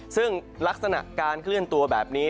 ซึ่งลักษณะการเคลื่อนตัวแบบนี้